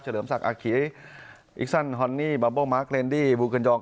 เจริมศักดิ์อัคคีอิกซันฮอนนี่บัมเบิ้ลมาร์คเลนดี้วูเกินยอง